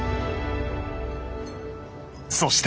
そして。